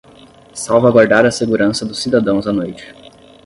Salvaguardar a segurança dos cidadãos à noite